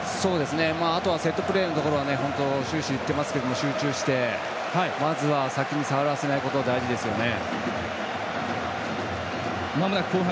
あとはセットプレーで終始、言っていますが集中して、まずは先に触らせないこと大事ですよね。